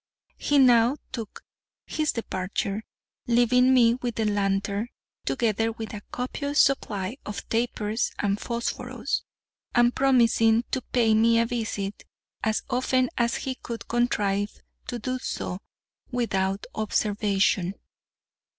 He now took his departure, leaving with me the lantern, together with a copious supply of tapers and phosphorous, and promising to pay me a visit as often as he could contrive to do so without observation.